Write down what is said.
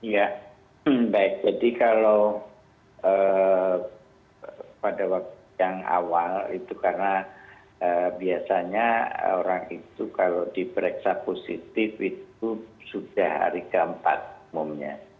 ya baik jadi kalau pada waktu yang awal itu karena biasanya orang itu kalau diperiksa positif itu sudah hari keempat umumnya